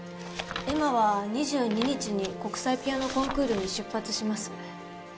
恵麻は２２日に国際ピアノコンクールに出発します。